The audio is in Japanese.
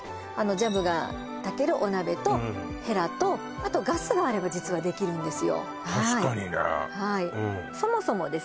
ジャムが炊けるお鍋とヘラとあとガスがあれば実はできるんですよ